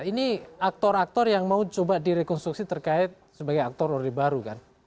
ini aktor aktor yang mau coba direkonstruksi terkait sebagai aktor orde baru kan